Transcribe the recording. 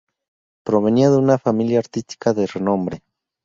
Provenía de una familia artística de renombre.